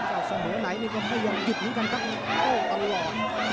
สำหรับเสมอไหนก็ไม่ยอมหยุดนึงกันครับโอ้ยอร่อย